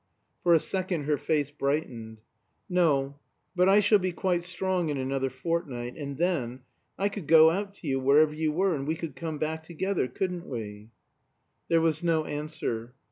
For a second her face brightened. "No but I shall be quite strong in another fortnight and then I could go out to you wherever you were, and we could come back together, couldn't we?" There was no answer.